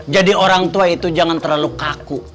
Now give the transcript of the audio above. jadi orang tua itu jangan terlalu kaku